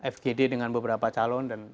fgd dengan beberapa calon dan